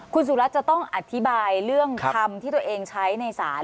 คุณสุรัตน์จะต้องอธิบายเรื่องคำที่ตัวเองใช้ในศาล